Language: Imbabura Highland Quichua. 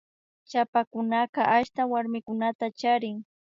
Chapakunaka ashta warmikunata charin